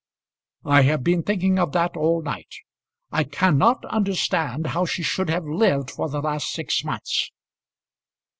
"I have been thinking of that all night. I cannot understand how she should have lived for the last six months.